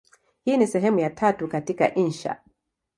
Hii ni sehemu ya tatu katika insha.